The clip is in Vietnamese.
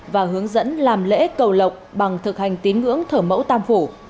và hướng dẫn làm lễ cầu lộc bằng thực hành tín ngưỡng thở mẫu tam phủ